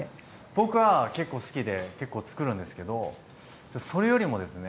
僕は結構好きで結構作るんですけどそれよりもですね